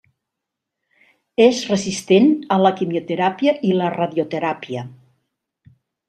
És resistent a la quimioteràpia i la radioteràpia.